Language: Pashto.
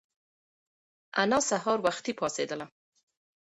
انا سهار وختي پاڅېدله.